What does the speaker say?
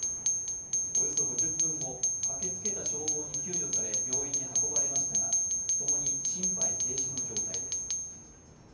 およそ５０分後、駆けつけた消防に救助され病院に運ばれましたがともに心肺停止の状態です。